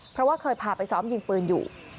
เพราะว่าเคยพาไปซ้อมยิงปืนอยู่